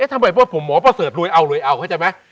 แล้วทำไมคุณหมอประเสริฐรวยเอาเขาเข้าใจไหม